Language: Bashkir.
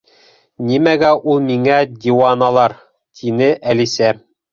—Нимәгә ул миңә диуаналар? —тине Әлисә.